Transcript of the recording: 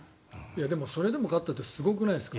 それでも勝ったってすごくないですか。